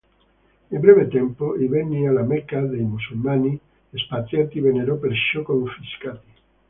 In breve tempo i beni alla Mecca dei musulmani espatriati vennero perciò confiscati.